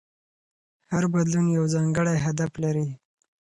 هر بدلون یو ځانګړی هدف لري.